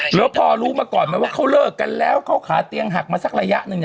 แล้วพอรู้มาก่อนไหมว่าเขาเลิกกันแล้วเขาขาเตียงหักมาสักระยะหนึ่ง